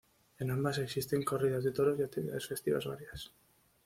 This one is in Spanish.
En ambas existen corridas de toros y actividades festivas varias.